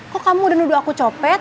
kok kamu udah nuduh aku copet